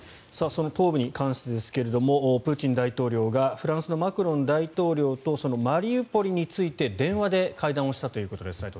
その東部に関してプーチン大統領がフランスのマクロン大統領とマリウポリについて電話で会談したということです。